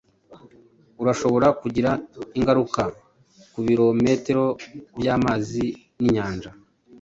urashobora kugira ingaruka kubirometero byamazi ninyanja.